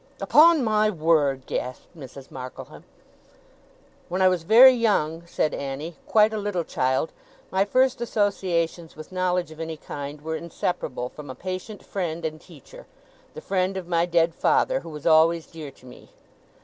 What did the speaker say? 'Upon my word!' gasped Mrs. Markleham. 'When I was very young,' said Annie, 'quite a little child, my first associations with knowledge of any kind were inseparable from a patient friend and teacher the friend of my dead father who was always dear to me.